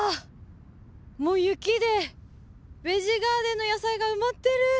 もう雪でベジ・ガーデンの野菜が埋まってる！